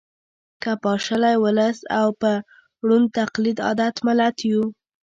که پاشلی ولس او په ړوند تقلید عادت ملت یو